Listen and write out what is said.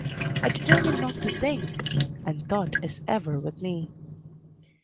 I determine not to think, and thought is ever with me.